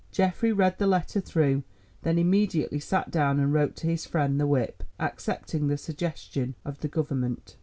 Geoffrey read the letter through; then immediately sat down and wrote to his friend the whip, accepting the suggestion of the Government.